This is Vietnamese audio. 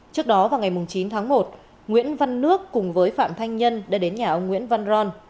trước đó vào ngày chín tháng một nguyễn văn nước cùng với phạm thanh nhân đã đến nhà ông nguyễn văn ron